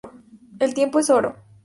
El tiempo es oro